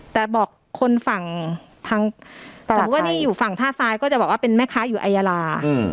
แต่บอกคนฝั่งทางสมมุติว่านี่อยู่ฝั่งท่าทรายก็จะบอกว่าเป็นแม่ค้าอยู่ไอยาลา